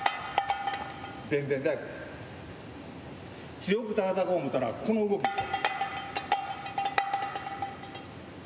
強くたたこうと思ったら、この動きなんです。